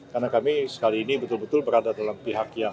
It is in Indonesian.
karena kami sekali ini betul betul berada dalam pihak yang